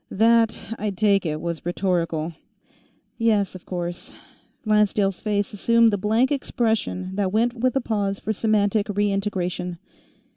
"That, I take it, was rhetorical." "Yes, of course." Lancedale's face assumed the blank expression that went with a pause for semantic re integration.